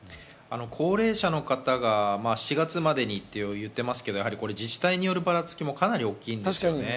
７月までにと言ってますけれども、自治体によるばらつきもかなり大きいんですよね。